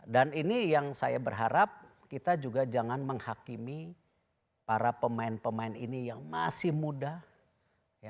dan ini yang saya berharap kita juga jangan menghakimi para pemain pemain ini yang masih muda